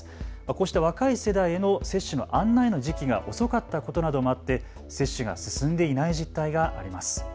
こうした若い世代への接種の案内の時期が遅かったことなどもあって接種が進んでいない実態があります。